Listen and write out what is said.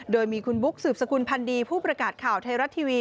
โดยมีคุณบุ๊คสืบสกุลพันธ์ดีผู้ประกาศข่าวไทยรัฐทีวี